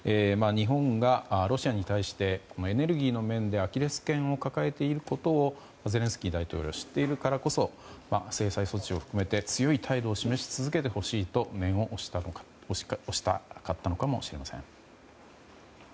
日本がロシアに対してエネルギーの面でアキレスけんを抱えていることをゼレンスキー大統領は知っているからこそ制裁措置を含めて強い態度を示し続けてほしいと念を押したかったのかもしれません。